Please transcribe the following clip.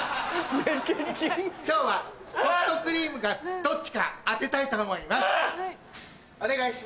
今日はソフトクリームがどっちか当てたいと思いますお願いします。